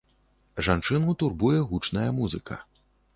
Жанчыну турбуе гучная музыка.